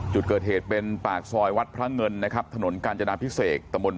จุดเกิดเหตุเป็นปากซอยวัดพระเงินนะครับถนนกาญจนาพิเศษตะบน